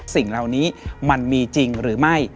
สิ่งเหล่านี้มันมีจริงหรือไม่